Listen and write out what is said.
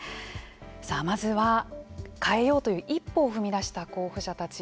さあまずは変えようという一歩を踏み出した候補者たち。